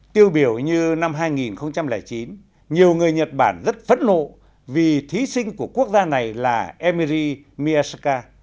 tiêu biểu như năm hai nghìn chín nhiều người nhật bản rất phẫn nộ vì thí sinh của quốc gia này là emiri miyashika